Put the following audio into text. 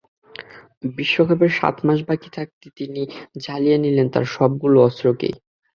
বিশ্বকাপের সাত মাস বাকি থাকতে তিনি ঝালিয়ে নিলেন তাঁর সবগুলো অস্ত্রকেই।